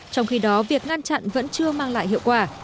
trong khi đó việc ngăn chặn vẫn chưa mang lại hiệu quả